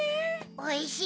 おいしい！